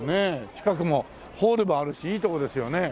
近くもホールもあるしいいとこですよね。